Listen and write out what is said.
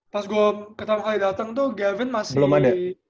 pas gue pertama kali dateng tuh gavin masih smp belum ada